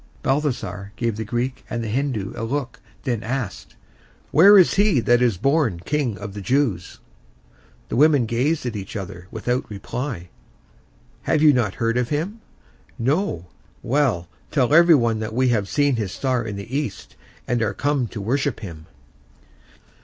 Balthasar gave the Greek and the Hindoo a look, then asked, "Where is he that is born King of the Jews?" The women gazed at each other without reply. "You have not heard of him?" "No." "Well, tell everybody that we have seen his star in the east, and are come to worship him."